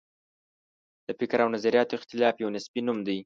د فکر او نظریاتو اختلاف یو نصبي نوم دی.